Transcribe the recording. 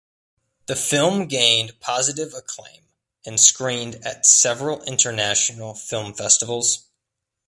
The film gained positive acclaim and screened at several international film festivals.